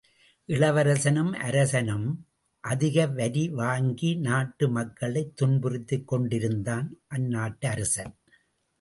இளவரசனும் அரசனும் அதிக வரி வாங்கி நாட்டு மக்களைத் துன்புறுத்திக் கொண்டிருந்தான் அந்நாட்டு அரசன்.